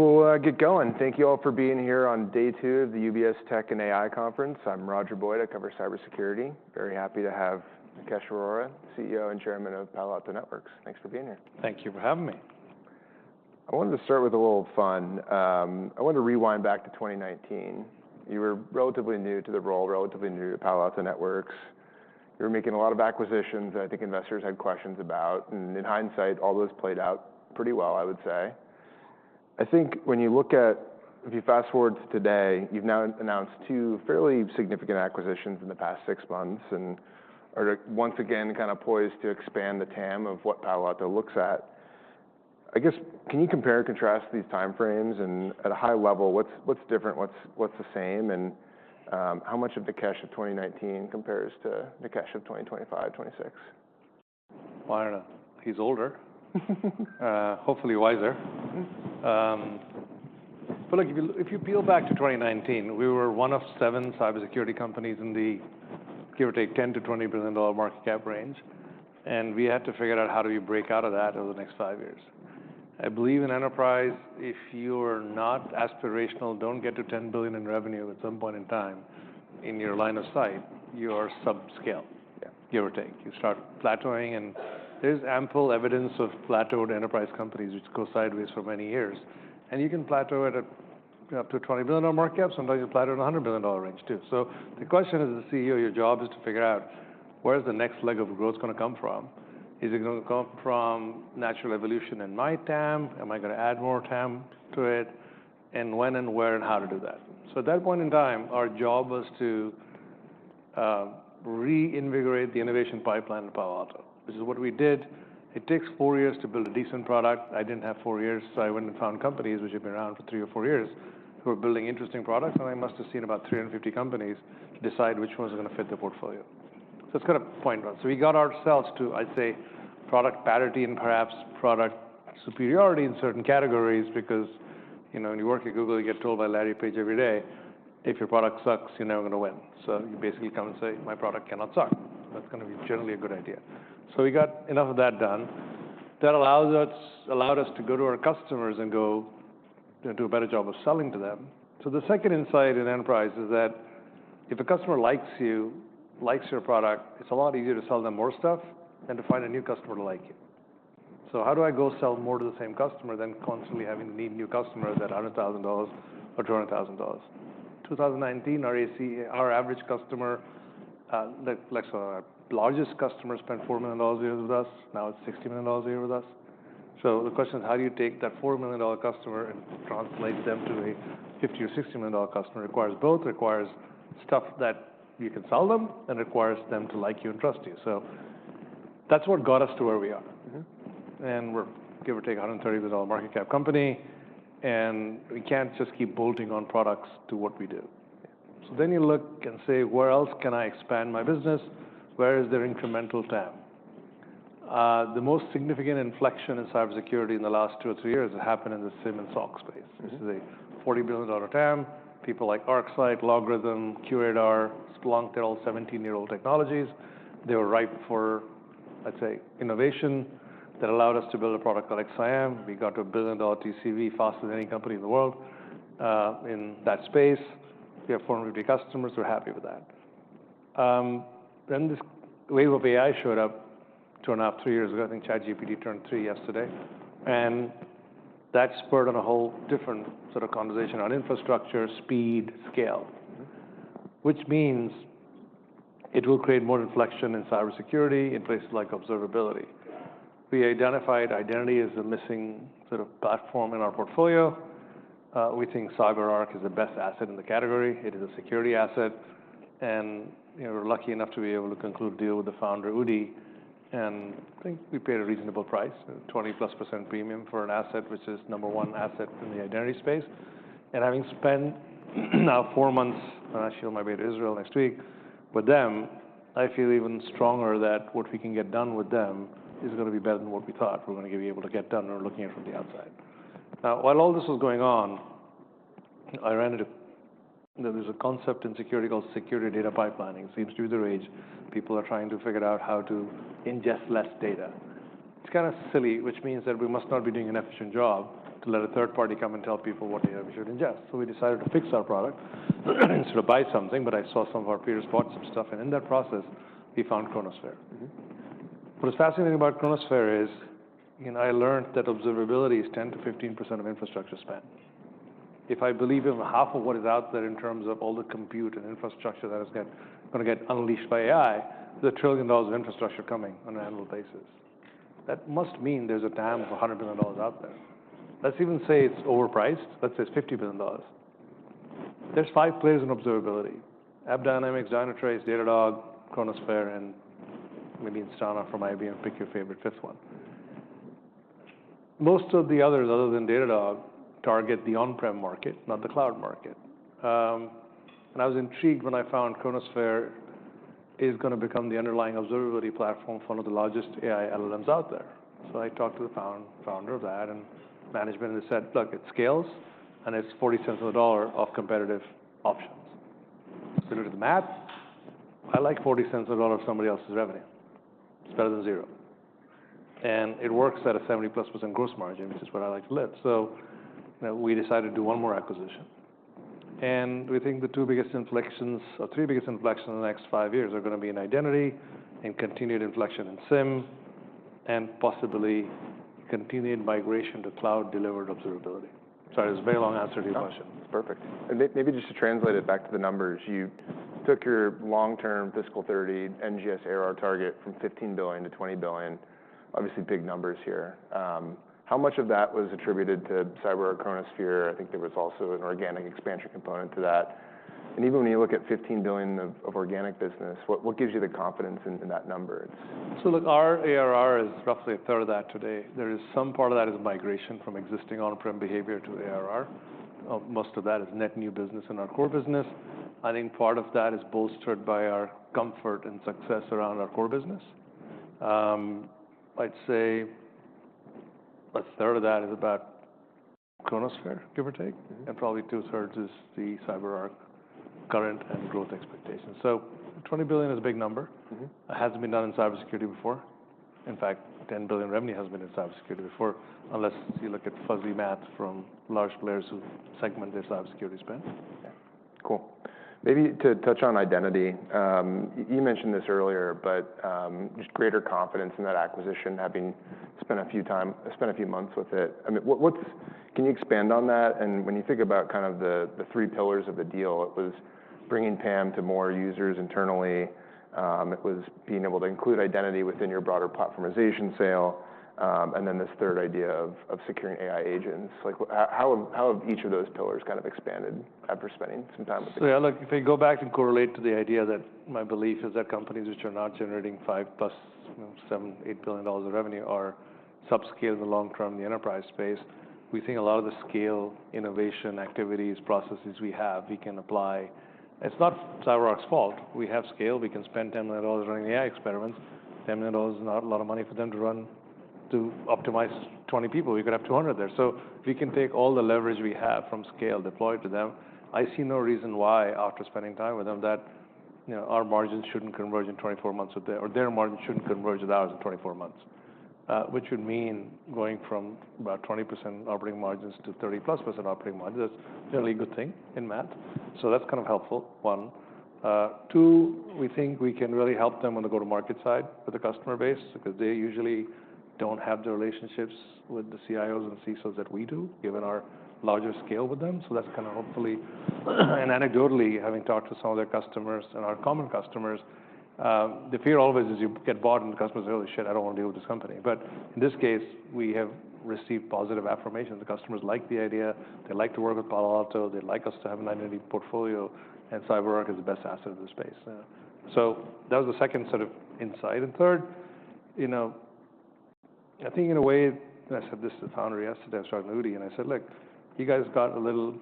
We'll get going. Thank you all for being here on day two of the UBS Tech and AI Conference. I'm Roger Boyd. I cover cybersecurity. Very happy to have Nikesh Arora, CEO and Chairman of Palo Alto Networks. Thanks for being here. Thank you for having me. I wanted to start with a little fun. I wanted to rewind back to 2019. You were relatively new to the role, relatively new to Palo Alto Networks. You were making a lot of acquisitions that I think investors had questions about. And in hindsight, all those played out pretty well, I would say. I think when you look at, if you fast forward to today, you've now announced two fairly significant acquisitions in the past six months and are once again kind of poised to expand the TAM of what Palo Alto looks at. I guess, can you compare and contrast these time frames? And at a high level, what's different? What's the same? And how much of the cash of 2019 compares to the cash of 2025, 2026? I don't know. He's older. Hopefully wiser. But if you peel back to 2019, we were one of seven cybersecurity companies in the, give or take, $10 billion-$20 billion market cap range. And we had to figure out how do we break out of that over the next five years. I believe in enterprise, if you are not aspirational, don't get to $10 billion in revenue at some point in time in your line of sight, you are subscale, give or take. You start plateauing. And there's ample evidence of plateaued enterprise companies which go sideways for many years. And you can plateau at up to a $20 billion market cap. Sometimes you plateau in the $100 billion range too. So the question as the CEO, your job is to figure out where's the next leg of growth going to come from? Is it going to come from natural evolution in my TAM? Am I going to add more TAM to it? And when and where and how to do that? So at that point in time, our job was to reinvigorate the innovation pipeline at Palo Alto Networks, which is what we did. It takes four years to build a decent product. I didn't have four years. So I went and found companies which had been around for three or four years who were building interesting products. And I must have seen about 350 companies decide which ones are going to fit their portfolio. So it's kind of point one. So we got ourselves to, I'd say, product parity and perhaps product superiority in certain categories because when you work at Google, you get told by Larry Page every day, if your product sucks, you're never going to win. So you basically come and say, "My product cannot suck." That's going to be generally a good idea. So we got enough of that done. That allowed us to go to our customers and go and do a better job of selling to them. So the second insight in enterprise is that if a customer likes you, likes your product, it's a lot easier to sell them more stuff than to find a new customer to like you. So how do I go sell more to the same customer than constantly having to need new customers at $100,000 or $200,000? 2019, our average customer, largest customer, spent $4 million a year with us. Now it's $60 million a year with us. So the question is, how do you take that $4 million customer and translate them to a $50 million or $60 million customer? Requires both. requires stuff that you can sell them and requires them to like you and trust you. So that's what got us to where we are, and we're, give or take, a $130 billion market cap company. We can't just keep bolting on products to what we do. So then you look and say, where else can I expand my business? Where is there incremental TAM? The most significant inflection in cybersecurity in the last two or three years has happened in the SIEM and SOC space. This is a $40 billion TAM. People like ArcSight, LogRhythm, QRadar, Splunk; they're all 17-year-old technologies. They were ripe for, I'd say, innovation that allowed us to build a product like XSIAM. We got to a $1 billion TCV faster than any company in the world in that space. We have 450 customers. We're happy with that. Then this wave of AI showed up three years ago. I think ChatGPT turned three yesterday. And that spurred on a whole different sort of conversation on infrastructure, speed, scale, which means it will create more inflection in cybersecurity in places like observability. We identified identity as a missing sort of platform in our portfolio. We think CyberArk is the best asset in the category. It is a security asset. And we're lucky enough to be able to conclude a deal with the founder, Udi, and I think we paid a reasonable price, 20%+ premium for an asset, which is number one asset in the identity space. Having spent now four months, and I'm heading back to Israel next week, with them, I feel even stronger that what we can get done with them is going to be better than what we thought we were going to be able to get done when we're looking at it from the outside. Now, while all this was going on, I ran into. There's a concept in security called security data pipelining. It seems to be the rage. People are trying to figure out how to ingest less data. It's kind of silly, which means that we must not be doing an efficient job to let a third party come and tell people what data we should ingest. So we decided to fix our product instead of buy something. But I saw some of our peers bought some stuff. In that process, we found Chronosphere. What is fascinating about Chronosphere is I learned that observability is 10%-15% of infrastructure spend. If I believe in half of what is out there in terms of all the compute and infrastructure that is going to get unleashed by AI, there's $1 trillion of infrastructure coming on an annual basis. That must mean there's a TAM of $100 billion out there. Let's even say it's overpriced. Let's say it's $50 billion. There's five players in observability: AppDynamics, Dynatrace, Datadog, Chronosphere, and maybe Instana from IBM. Pick your favorite fifth one. Most of the others, other than Datadog, target the on-prem market, not the cloud market. And I was intrigued when I found Chronosphere is going to become the underlying observability platform for one of the largest AI LLMs out there. So I talked to the founder of that and management, and they said, look, it scales, and it's $0.40 of a dollar off competitive options. So we looked at the math. I like $0.40 of a dollar of somebody else's revenue. It's better than zero. And it works at a 70%+ gross margin, which is what I like to live. So we decided to do one more acquisition. And we think the two biggest inflections, or three biggest inflections in the next five years, are going to be in identity and continued inflection in SIEM and possibly continued migration to cloud-delivered observability. Sorry, that was a very long answer to your question. Perfect. And maybe just to translate it back to the numbers, you took your long-term fiscal 2030 NGS ARR target from $15 billion-$20 billion. Obviously, big numbers here. How much of that was attributed to CyberArk Chronosphere? I think there was also an organic expansion component to that. And even when you look at $15 billion of organic business, what gives you the confidence in that number? So look, our ARR is roughly a third of that today. There is some part of that is migration from existing on-prem behavior to ARR. Most of that is net new business in our core business. I think part of that is bolstered by our comfort and success around our core business. I'd say a third of that is about Chronosphere, give or take. And probably two thirds is the CyberArk current and growth expectations. So $20 billion is a big number. It hasn't been done in cybersecurity before. In fact, $10 billion revenue hasn't been in cybersecurity before, unless you look at fuzzy math from large players who segment their cybersecurity spend. Cool. Maybe to touch on identity, you mentioned this earlier, but just greater confidence in that acquisition, having spent a few months with it. Can you expand on that? And when you think about kind of the three pillars of the deal, it was bringing TAM to more users internally. It was being able to include identity within your broader platformization sale. And then this third idea of securing AI agents. How have each of those pillars kind of expanded after spending some time with it? So yeah, look, if you go back and correlate to the idea that my belief is that companies which are not generating $5+ billion, $7 billion, $8 billion of revenue are subscale in the long term in the enterprise space, we think a lot of the scale, innovation, activities, processes we have, we can apply. It's not CyberArk's fault. We have scale. We can spend $10 million running AI experiments. $10 million is not a lot of money for them to optimize 20 people. We could have 200 there. So we can take all the leverage we have from scale, deploy it to them. I see no reason why, after spending time with them, that our margins shouldn't converge in 24 months with their, or their margins shouldn't converge with ours in 24 months, which would mean going from about 20% operating margins to 30%+ operating margins. That's generally a good thing in math. So that's kind of helpful, one. Two, we think we can really help them on the go-to-market side with the customer base because they usually don't have the relationships with the CIOs and CISOs that we do, given our larger scale with them. So that's kind of hopefully, and anecdotally, having talked to some of their customers and our common customers, the fear always is you get bought and the customer says, "Oh, shit, I don't want to deal with this company." But in this case, we have received positive affirmations. The customers like the idea. They like to work with Palo Alto. They like us to have an identity portfolio. And CyberArk is the best asset in the space. So that was the second sort of insight. And third, I think in a way, and I said this to the founder yesterday. I was talking to Udi, and I said, "Look, you guys got a little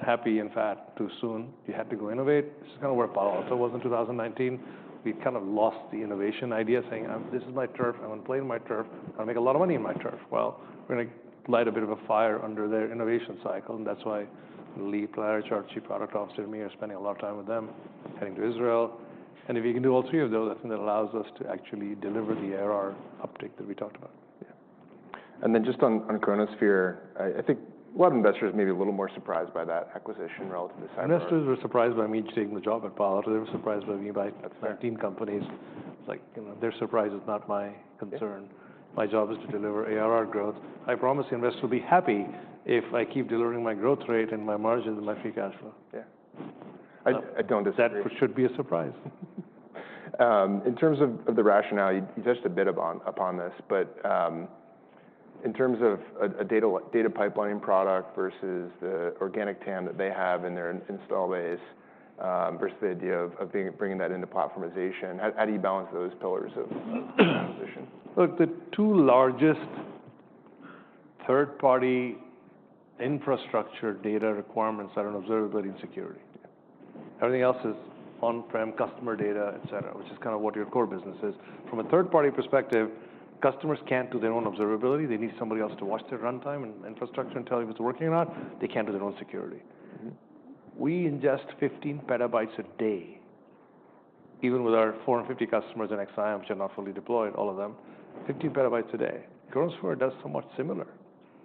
happy and fat too soon. You had to go innovate." This is kind of where Palo Alto was in 2019. We kind of lost the innovation idea, saying, "This is my turf. I'm going to play in my turf. I'm going to make a lot of money in my turf." Well, we're going to light a bit of a fire under their innovation cycle. And that's why Lee Klarich, Chief Product Officer, and me are spending a lot of time with them, heading to Israel. And if we can do all three of those, I think that allows us to actually deliver the ARR uptick that we talked about. And then just on Chronosphere, I think a lot of investors may be a little more surprised by that acquisition relative to CyberArk. Investors were surprised by me taking the job at Palo Alto. They were surprised by me buying 13 companies. It's like their surprise is not my concern. My job is to deliver ARR growth. I promise the investors will be happy if I keep delivering my growth rate and my margins and my free cash flow. Yeah. I don't disagree. That should be a surprise. In terms of the rationale, you touched a bit upon this. But in terms of a data pipeline product versus the organic TAM that they have in their install base versus the idea of bringing that into platformization, how do you balance those pillars of acquisition? Look, the two largest third-party infrastructure data requirements are on observability and security. Everything else is on-prem customer data, et cetera, which is kind of what your core business is. From a third-party perspective, customers can't do their own observability. They need somebody else to watch their runtime and infrastructure and tell you if it's working or not. They can't do their own security. We ingest 15 PB a day, even with our 450 customers in XSIAM, which are not fully deployed, all of them, 15 PB a day. Chronosphere does somewhat similar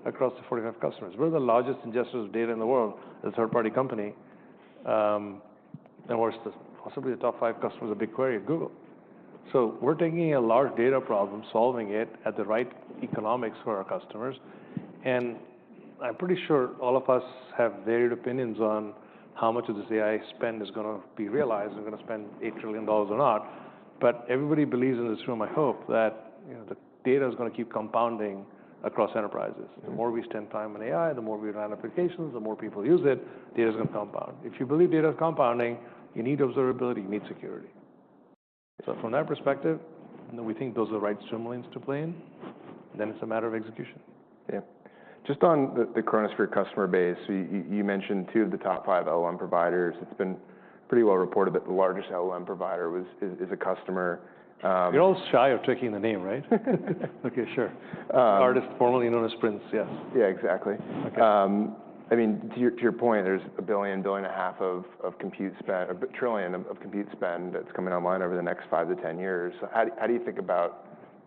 across the 45 customers. We're the largest ingestors of data in the world as a third-party company, and we're possibly the top five customers of BigQuery and Google. So we're taking a large data problem, solving it at the right economics for our customers. I'm pretty sure all of us have varied opinions on how much of this AI spend is going to be realized. We're going to spend $8 trillion or not. But everybody believes in this room, I hope, that the data is going to keep compounding across enterprises. The more we spend time on AI, the more we run applications, the more people use it, data is going to compound. If you believe data is compounding, you need observability. You need security. So from that perspective, we think those are the right swim lanes to play in. Then it's a matter of execution. Yeah. Just on the Chronosphere customer base, you mentioned two of the top five LLM providers. It's been pretty well reported that the largest LLM provider is a customer. You're all shy of taking the name, right? Okay, sure. Artist formerly known as Prince, yes. Yeah, exactly. I mean, to your point, there's a billion, billion and a half of compute spend, a trillion of compute spend that's coming online over the next five to 10 years. How do you think about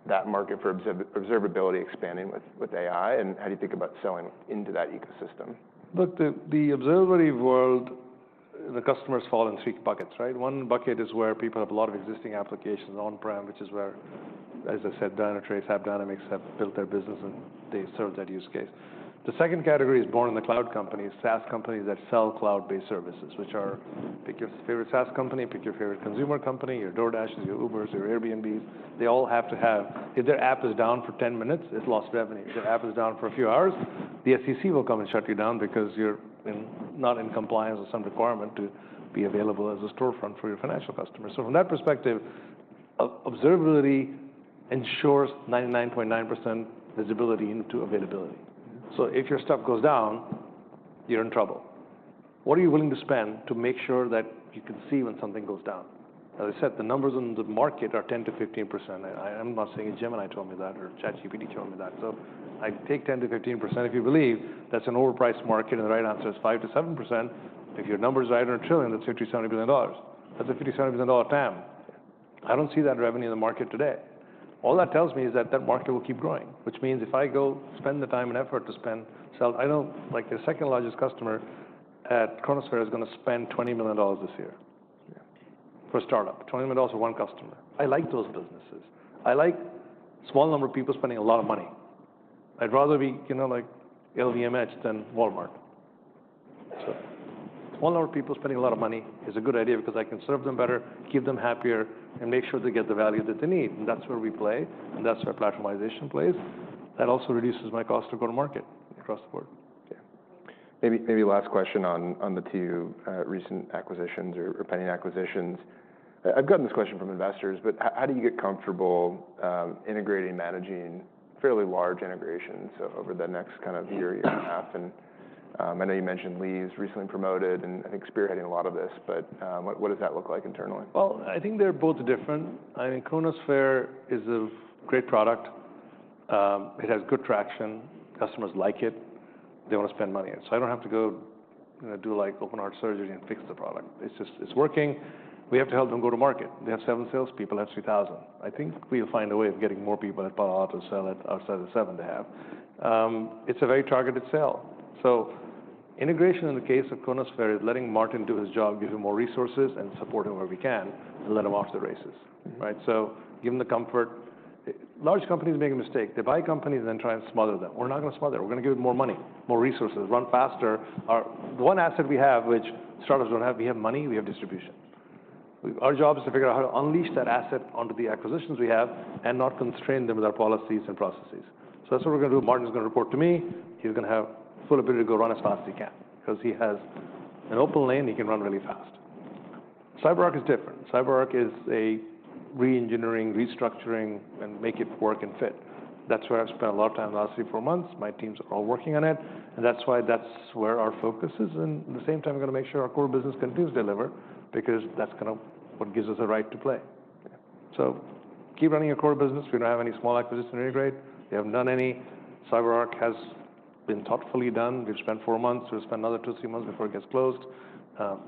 that market for observability expanding with AI? And how do you think about selling into that ecosystem? Look, the observability world, the customers fall in three buckets, right? One bucket is where people have a lot of existing applications on-prem, which is where, as I said, Dynatrace, AppDynamics have built their business, and they serve that use case. The second category is born in the cloud companies, SaaS companies that sell cloud-based services, which are pick your favorite SaaS company, pick your favorite consumer company, your DoorDash, your Uber, your Airbnb. They all have to have if their app is down for 10 minutes, it's lost revenue. If their app is down for a few hours, the SEC will come and shut you down because you're not in compliance with some requirement to be available as a storefront for your financial customers. So from that perspective, observability ensures 99.9% visibility into availability. So if your stuff goes down, you're in trouble. What are you willing to spend to make sure that you can see when something goes down? As I said, the numbers in the market are 10%-15%. I'm not saying Gemini told me that or ChatGPT told me that. So I take 10%-15%. If you believe that's an overpriced market, and the right answer is 5%-7%, if your numbers are at a trillion, that's $50 billion-$70 billion. That's a $50 billion-$70 billion TAM. I don't see that revenue in the market today. All that tells me is that that market will keep growing, which means if I go spend the time and effort to spend, sell, I know the second largest customer at Chronosphere is going to spend $20 million this year for a startup, $20 million for one customer. I like those businesses. I like a small number of people spending a lot of money. I'd rather be like LVMH than Walmart. So a small number of people spending a lot of money is a good idea because I can serve them better, keep them happier, and make sure they get the value that they need. And that's where we play, and that's where platformization plays. That also reduces my cost to go to market across the board. Maybe last question on the two recent acquisitions or pending acquisitions. I've gotten this question from investors, but how do you get comfortable integrating and managing fairly large integrations over the next kind of year, year and a half? And I know you mentioned Lee's recently promoted and I think spearheading a lot of this, but what does that look like internally? Well, I think they're both different. I mean, Chronosphere is a great product. It has good traction. Customers like it. They want to spend money on it. So I don't have to go do like open heart surgery and fix the product. It's working. We have to help them go to market. They have seven salespeople, that's 3,000. I think we'll find a way of getting more people at Palo Alto to sell it outside of the seven they have. It's a very targeted sale. So integration in the case of Chronosphere is letting Martin do his job, give him more resources, and support him where we can, and let him off to the races, right? So give him the comfort. Large companies make a mistake. They buy companies and then try and smother them. We're not going to smother them. We're going to give them more money, more resources, run faster. One asset we have, which startups don't have, we have money. We have distribution. Our job is to figure out how to unleash that asset onto the acquisitions we have and not constrain them with our policies and processes. So that's what we're going to do. Martin's going to report to me. He's going to have full ability to go run as fast as he can because he has an open lane. He can run really fast. CyberArk is different. CyberArk is a re-engineering, restructuring, and make it work and fit. That's where I've spent a lot of time in the last three, four months. My teams are all working on it, and that's why that's where our focus is. At the same time, we're going to make sure our core business continues to deliver because that's kind of what gives us a right to play. So keep running your core business. We don't have any small acquisition to integrate. We haven't done any. CyberArk has been thoughtfully done. We've spent four months. We'll spend another two, three months before it gets closed.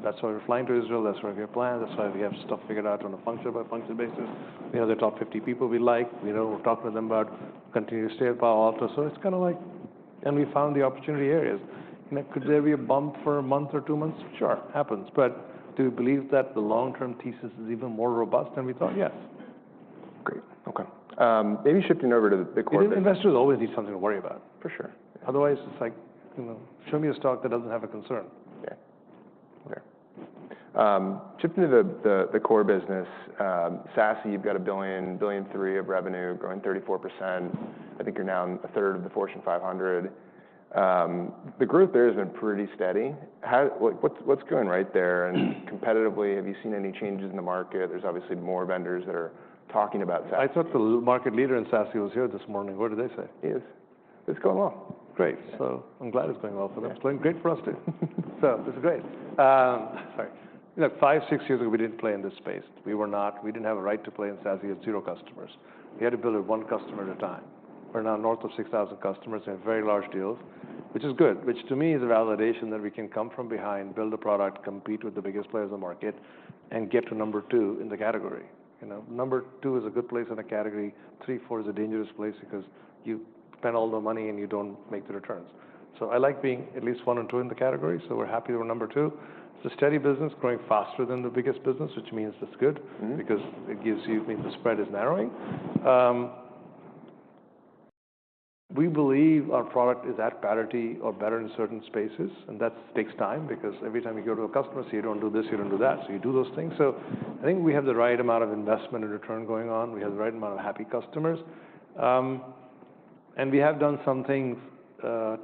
That's why we're flying to Israel. That's why we have plans. That's why we have stuff figured out on a function-by-function basis. We know the top 50 people we like. We know we're talking to them about continuing to stay at Palo Alto. So it's kind of like, and we found the opportunity areas. Could there be a bump for a month or two months? Sure, happens. But do we believe that the long-term thesis is even more robust than we thought? Yes. Great. Okay. Maybe shifting over to the big corporate. Investors always need something to worry about. For sure. Otherwise, it's like, show me a stock that doesn't have a concern. Yeah. Okay. Shifting to the core business, SaaS, you've got $1 billion-$1.3 billion of revenue, growing 34%. I think you're now 1/3 of the Fortune 500. The growth there has been pretty steady. What's going right there? And competitively, have you seen any changes in the market? There's obviously more vendors that are talking about SaaS. I talked to the market leader in SaaS. He was here this morning. What did they say? He is. It's going well. Great. I'm glad it's going well for them. Yeah. It's going great for us too. This is great. Sorry. Five, six years ago, we didn't play in this space. We didn't have a right to play in SaaS. We had zero customers. We had to build one customer at a time. We're now north of 6,000 customers in very large deals, which is good, which to me is a validation that we can come from behind, build a product, compete with the biggest players in the market, and get to number two in the category. Number two is a good place in a category. Three, four is a dangerous place because you spend all the money and you don't make the returns. So I like being at least one and two in the category. So we're happy we're number two. It's a steady business, growing faster than the biggest business, which means it's good because it gives you the spread is narrowing. We believe our product is at parity or better in certain spaces. That takes time because every time you go to a customer, say, you don't do this, you don't do that. You do those things. I think we have the right amount of investment and return going on. We have the right amount of happy customers. We have done some things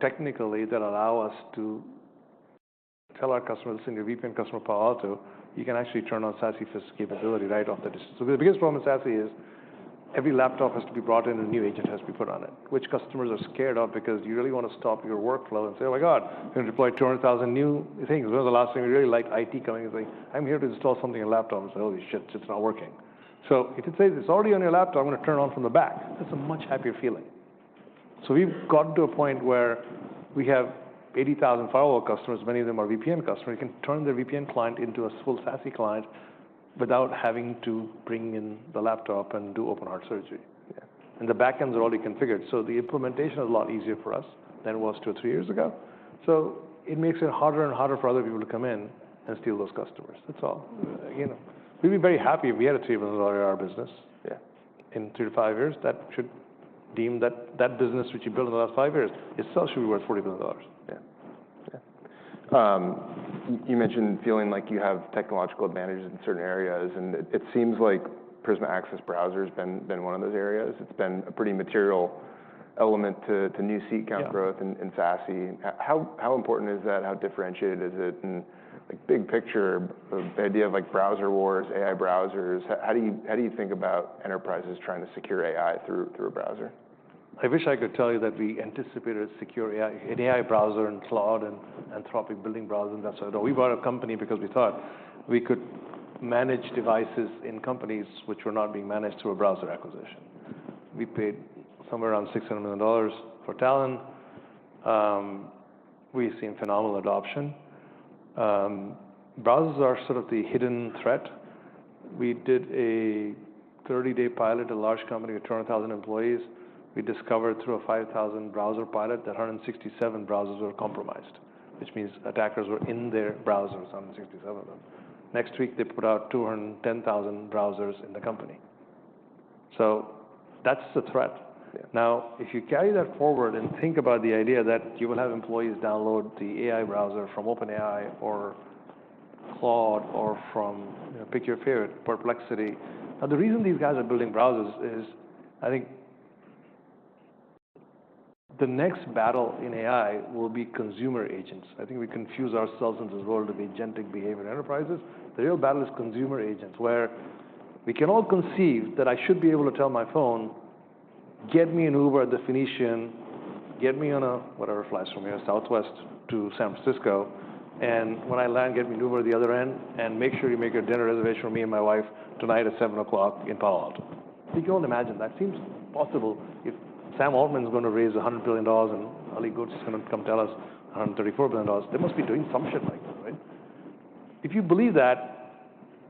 technically that allow us to tell our customers, send your VPN customer Palo Alto, you can actually turn on SaaS capability right off the bat. So the biggest problem with SaaS is every laptop has to be brought in and a new agent has to be put on it, which customers are scared of because you really want to stop your workflow and say, "Oh my God, we're going to deploy 200,000 new things." One of the last things we really like IT coming and saying, "I'm here to install something on laptop." And say, "Holy shit, it's not working." So if it says, "It's already on your laptop, I'm going to turn on from the back," that's a much happier feeling. So we've gotten to a point where we have 80,000 firewall customers. Many of them are VPN customers. You can turn their VPN client into a full SaaS client without having to bring in the laptop and do open heart surgery. And the backends are already configured. So the implementation is a lot easier for us than it was two or three years ago. So it makes it harder and harder for other people to come in and steal those customers. That's all. We'd be very happy if we had a $3 billion business. Yeah. In three to five years, that should mean that business which you built in the last five years itself should be worth $40 billion. Yeah. Yeah. You mentioned feeling like you have technological advantages in certain areas. And it seems like Prisma Access Browser has been one of those areas. It's been a pretty material element to new seat count growth in SaaS. How important is that? How differentiated is it? And big picture, the idea of browser wars, AI browsers, how do you think about enterprises trying to secure AI through a browser? I wish I could tell you that we anticipated a secure AI browser and cloud and Anthropic building browser and that sort of thing. We bought a company because we thought we could manage devices in companies which were not being managed through a browser acquisition. We paid somewhere around $600 million for Talon. We've seen phenomenal adoption. Browsers are sort of the hidden threat. We did a 30-day pilot at a large company with 200,000 employees. We discovered through a 5,000 browser pilot that 167 browsers were compromised, which means attackers were in their browsers, 167 of them. Next week, they put out 210,000 browsers in the company. So that's the threat. Now, if you carry that forward and think about the idea that you will have employees download the AI browser from OpenAI or Claude or from pick your favorite, Perplexity, now the reason these guys are building browsers is I think the next battle in AI will be consumer agents. I think we confuse ourselves in this world of agentic behavior enterprises. The real battle is consumer agents where we can all conceive that I should be able to tell my phone, "Get me an Uber at the Phoenician. Get me on a," whatever flies from here, Southwest to San Francisco. And when I land, get me an Uber at the other end and make sure you make a dinner reservation for me and my wife tonight at 7 o'clock in Palo Alto." You can only imagine that. It seems possible if Sam Altman is going to raise $100 billion and Ali Ghodsi is going to come tell us $134 billion, they must be doing some shit like that, right? If you believe that,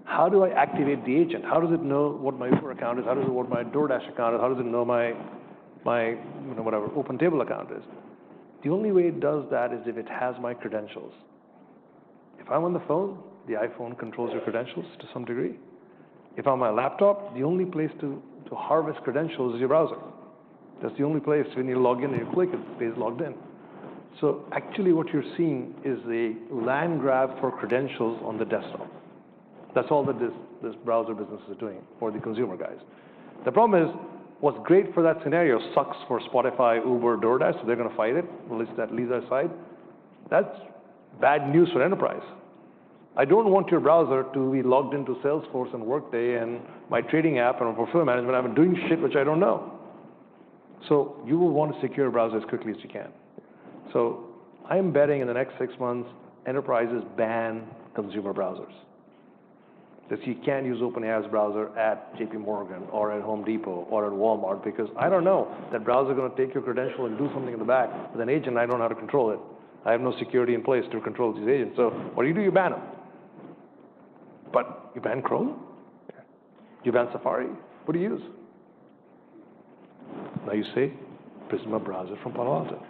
how do I activate the agent? How does it know what my Uber account is? How does it know what my DoorDash account is? How does it know my whatever OpenTable account is? The only way it does that is if it has my credentials. If I'm on the phone, the iPhone controls your credentials to some degree. If I'm on my laptop, the only place to harvest credentials is your browser. That's the only place. When you log in and you click, it stays logged in. So actually what you're seeing is a land grab for credentials on the desktop. That's all that this browser business is doing for the consumer guys. The problem is what's great for that scenario sucks for Spotify, Uber, DoorDash, so they're going to fight it. Let's set that aside. That's bad news for enterprise. I don't want your browser to be logged into Salesforce and Workday and my trading app and financial management. I'm doing shit which I don't know. So you will want to secure your browser as quickly as you can. So I'm betting in the next six months enterprises ban consumer browsers. That you can't use OpenAI's browser at JP Morgan or at Home Depot or at Walmart because I don't know that browser is going to take your credential and do something in the back with an agent. I don't know how to control it. I have no security in place to control these agents. So what do you do? You ban them. But you ban Chrome? You ban Safari? What do you use? Now you say, "Prisma Browser from Palo Alto."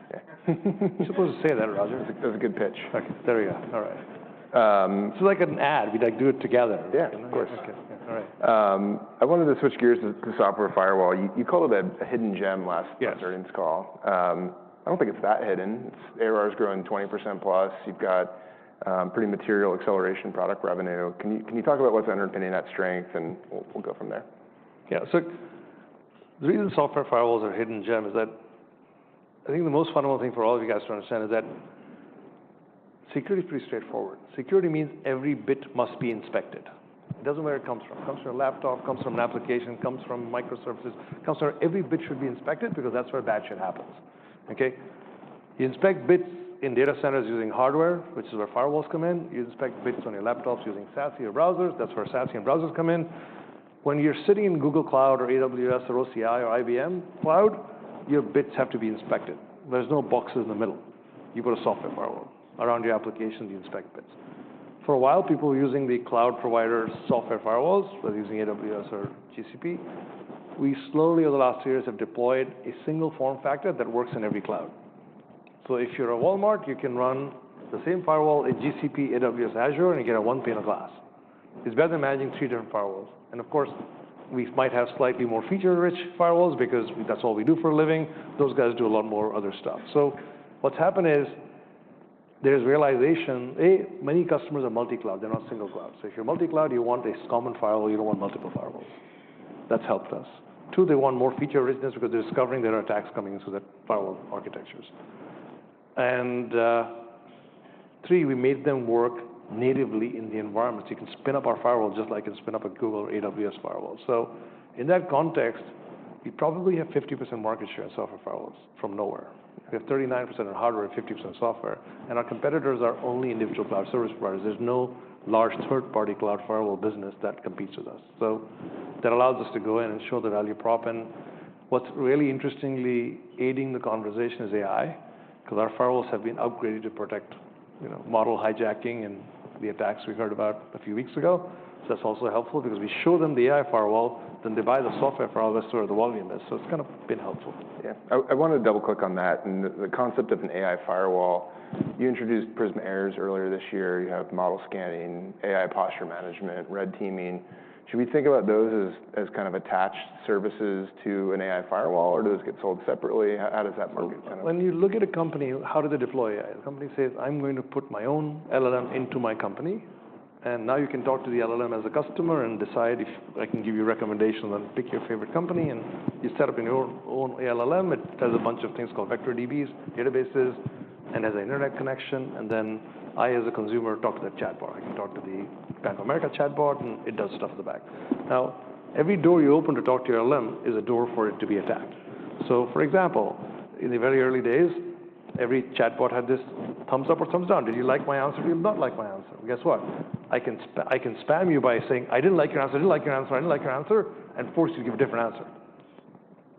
You're supposed to say that, Roger. That's a good pitch. There we go. All right. So like an ad, we do it together. Yeah. Of course. All right. I wanted to switch gears to Software Firewall. You called it a hidden gem last Thursday's call. I don't think it's that hidden. ARR is growing 20%+. You've got pretty material acceleration product revenue. Can you talk about what's underpinning that strength? And we'll go from there. Yeah. So the reason software firewalls are a hidden gem is that I think the most fundamental thing for all of you guys to understand is that security is pretty straightforward. Security means every bit must be inspected. It doesn't matter where it comes from. It comes from your laptop, comes from an application, comes from microservices, comes from every bit should be inspected because that's where bad shit happens, okay? You inspect bits in data centers using hardware, which is where firewalls come in. You inspect bits on your laptops using SaaS or your browsers. That's where SaaS and browsers come in. When you're sitting in Google Cloud or AWS or OCI or IBM Cloud, your bits have to be inspected. There's no boxes in the middle. You put a software firewall around your application, you inspect bits. For a while, people were using the cloud provider software firewalls rather than using AWS or GCP. We slowly, over the last two years, have deployed a single form factor that works in every cloud. So if you're a Walmart, you can run the same firewall in GCP, AWS, Azure, and you get a one pane of glass. It's better than managing three different firewalls. And of course, we might have slightly more feature-rich firewalls because that's all we do for a living. Those guys do a lot more other stuff. So what's happened is there's realization, many customers are multi-cloud. They're not single cloud. So if you're multi-cloud, you want a common firewall. You don't want multiple firewalls. That's helped us. Two, they want more feature richness because they're discovering there are attacks coming into the firewall architectures. And three, we made them work natively in the environment. You can spin up our firewall just like you can spin up a Google or AWS firewall. In that context, we probably have 50% market share in software firewalls from nowhere. We have 39% in hardware, 50% in software. Our competitors are only individual cloud service providers. There's no large third-party cloud firewall business that competes with us. That allows us to go in and show the value prop. What's really interestingly aiding the conversation is AI because our firewalls have been upgraded to protect model hijacking and the attacks we heard about a few weeks ago. That's also helpful because we show them the AI firewall, then they buy the software firewall that's throwing the volume there. It's kind of been helpful. Yeah. I want to double-click on that. And the concept of an AI firewall, you introduced Prisma AIRS earlier this year. You have model scanning, AI posture management, red teaming. Should we think about those as kind of attached services to an AI firewall, or do those get sold separately? How does that market kind of? When you look at a company, how do they deploy AI? The company says, "I'm going to put my own LLM into my company," and now you can talk to the LLM as a customer and decide if I can give you recommendations and pick your favorite company, and you set up your own LLM. It does a bunch of things called vector DBs, databases, and has an internet connection, and then I, as a consumer, talk to that chat bot. I can talk to the Bank of America chat bot, and it does stuff in the back. Now, every door you open to talk to your LLM is a door for it to be attacked, so for example, in the very early days, every chat bot had this thumbs up or thumbs down. Did you like my answer? Do you not like my answer? Well, guess what? I can spam you by saying, "I didn't like your answer. I didn't like your answer. I didn't like your answer," and force you to give a different answer.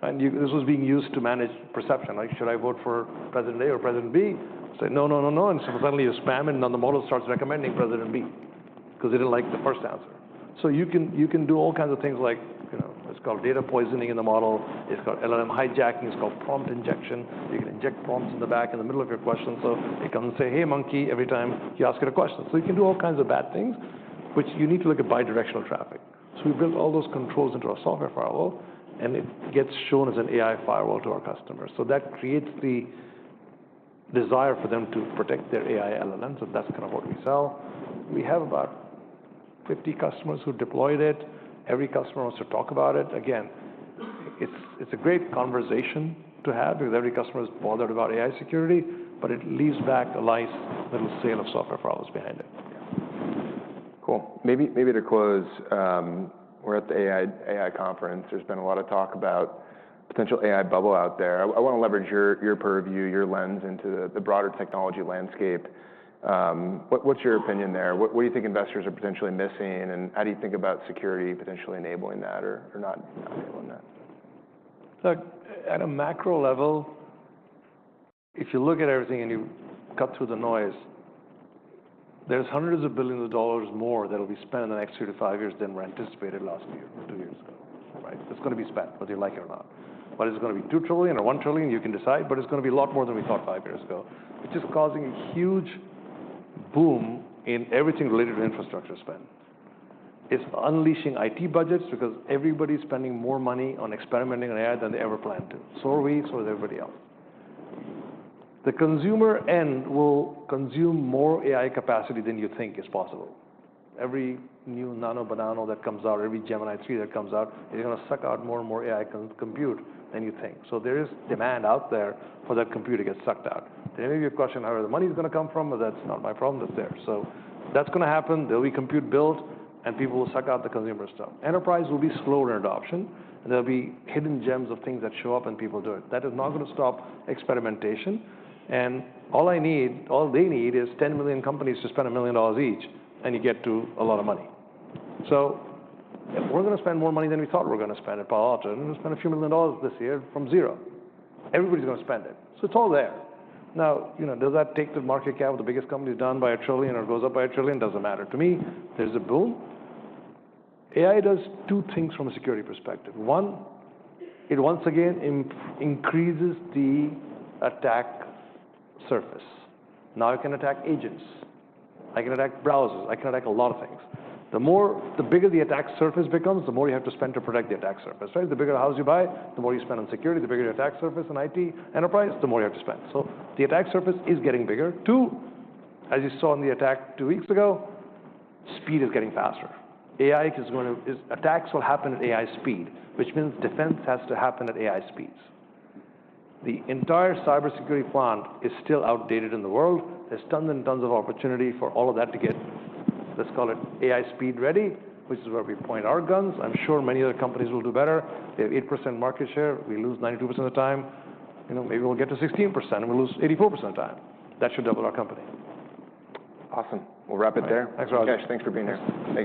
And this was being used to manage perception. Like, "Should I vote for President A or President B?" Say no, no, no, no. And so suddenly you're spamming, and then the model starts recommending President B because they didn't like the first answer. So you can do all kinds of things like it's called data poisoning in the model. It's called LLM hijacking. It's called prompt injection. You can inject prompts in the back, in the middle of your question. So it can say, "Hey, monkey," every time you ask it a question. So you can do all kinds of bad things, which you need to look at bidirectional traffic. So we built all those controls into our software firewall, and it gets shown as an AI firewall to our customers. So that creates the desire for them to protect their AI LLMs. And that's kind of what we sell. We have about 50 customers who deployed it. Every customer wants to talk about it. Again, it's a great conversation to have because every customer is bothered about AI security, but it leaves back a little sale of software firewalls behind it. Cool. Maybe to close, we're at the AI conference. There's been a lot of talk about potential AI bubble out there. I want to leverage your purview, your lens into the broader technology landscape. What's your opinion there? What do you think investors are potentially missing? And how do you think about security potentially enabling that or not enabling that? At a macro level, if you look at everything and you cut through the noise, there's hundreds of billions of dollars more that will be spent in the next three to five years than were anticipated last year, two years ago, right? That's going to be spent, whether you like it or not. Whether it's going to be $2 trillion or $1 trillion, you can decide, but it's going to be a lot more than we thought five years ago. It's just causing a huge boom in everything related to infrastructure spend. It's unleashing IT budgets because everybody's spending more money on experimenting on AI than they ever planned to. So are we. So is everybody else. The consumer end will consume more AI capacity than you think is possible. Every new nano banano that comes out, every Gemini 3 that comes out, it's going to suck out more and more AI compute than you think. So there is demand out there for that compute to get sucked out. Then maybe your question, how are the money going to come from? That's not my problem. That's there. So that's going to happen. There'll be compute built, and people will suck out the consumer stuff. Enterprise will be slow in adoption, and there'll be hidden gems of things that show up and people do it. That is not going to stop experimentation. And all I need, all they need is 10 million companies to spend a million dollars each, and you get to a lot of money. So we're going to spend more money than we thought we were going to spend at Palo Alto. We're going to spend a few million dollars this year from zero. Everybody's going to spend it. So it's all there. Now, does that take the market cap of the biggest companies down by a trillion or goes up by a trillion? Doesn't matter. To me, there's a boom. AI does two things from a security perspective. One, it once again increases the attack surface. Now I can attack agents. I can attack browsers. I can attack a lot of things. The bigger the attack surface becomes, the more you have to spend to protect the attack surface, right? The bigger house you buy, the more you spend on security. The bigger your attack surface in IT enterprise, the more you have to spend. So the attack surface is getting bigger. Two, as you saw in the attack two weeks ago, speed is getting faster. AI attacks will happen at AI speed, which means defense has to happen at AI speeds. The entire cybersecurity landscape is still outdated in the world. There's tons and tons of opportunity for all of that to get, let's call it AI speed ready, which is where we point our guns. I'm sure many other companies will do better. They have 8% market share. We lose 92% of the time. Maybe we'll get to 16%, and we'll lose 84% of the time. That should double our company. Awesome. We'll wrap it there. Thanks, Roger. Thanks for being here.